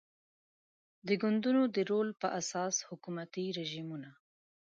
د ګوندونو د رول پر اساس حکومتي رژیمونه